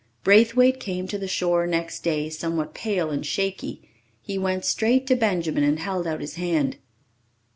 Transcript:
Braithwaite came to the shore next day somewhat pale and shaky. He went straight to Benjamin and held out his hand.